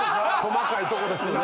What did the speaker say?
細かいとこですよね。